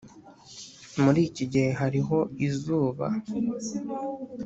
muri iki gihe hariho izuba.